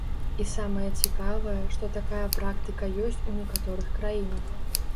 І самае цікавае, што такая практыка ёсць у некаторых краінах.